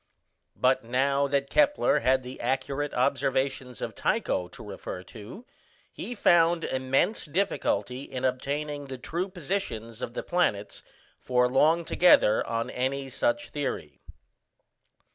But now that Kepler had the accurate observations of Tycho to refer to, he found immense difficulty in obtaining the true positions of the planets for long together on any such theory.